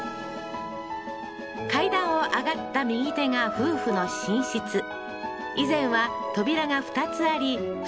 階段を上がった右手が夫婦の寝室以前は扉が２つあり２